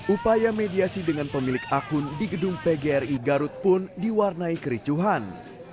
upaya mediasi dengan pemilik akun di gedung pgri garut pun diwarnai kericuhan